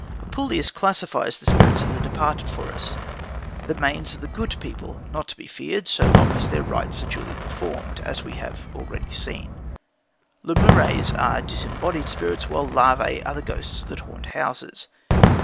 Apuleius classifies the spirits of the departed for us. The Manes are the good people, not to be feared so long as their rites are duly performed, as we have already seen; Lemures are disembodied spirits; while Larvæ are the ghosts that haunt houses.